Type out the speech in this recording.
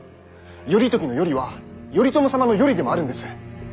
頼時の「頼」は頼朝様の「頼」でもあるんです。